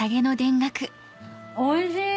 おいしい！